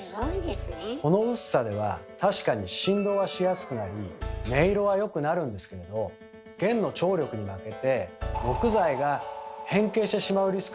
この薄さでは確かに振動はしやすくなり音色は良くなるんですけれど弦の張力に負けて木材が変形してしまうリスクがあるんです。